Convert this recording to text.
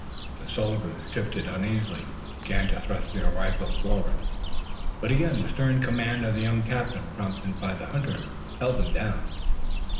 The soldiers shifted uneasily and began to thrust their rifles forward, but again the stern command of the young captain prompted by the hunter, held them down.